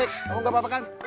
ngomong gak apa apa kan